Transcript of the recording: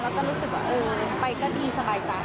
แล้วก็รู้สึกว่าเออไปก็ดีสบายใจ